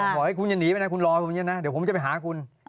อ่าบอกว่าเฮ้ยคุณอย่าหนีไปนะคุณรออยู่ไหนนะเดี๋ยวผมจะไปหาคุณ